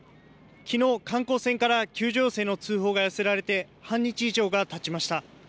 きのう、観光船から救助要請の通報が寄せられて半日以上がたちました。